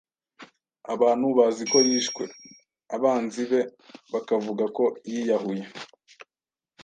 Abantu baziko yishwe, abanzi be bakavuga ko yiyahuye.